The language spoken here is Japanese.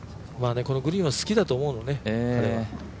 このグリーンは好きだと思うのね、彼は。